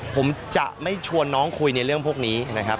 ผมจะไม่ชวนน้องคุยในเรื่องพวกนี้นะครับ